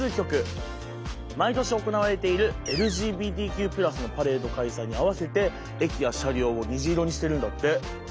毎年行われているＬＧＢＴＱ＋のパレード開催に合わせて駅や車両を虹色にしてるんだって。